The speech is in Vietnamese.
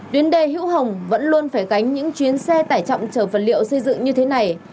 tuyến đê hữu hồng vẫn luôn phải gánh những chuyến xe tải trọng chở vật liệu xây dựng như thế này